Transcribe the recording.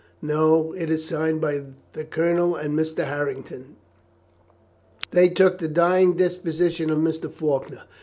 "No; it is signed by the Colonel and Mr. Harrington. They took the dying deposition of Mr. Faulkner.